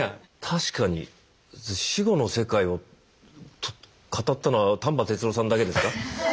確かに死後の世界を語ったのは丹波哲郎さんだけですか。